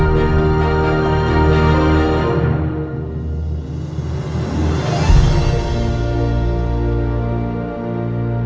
มายังไงก็ต้องไปอย่างนั้น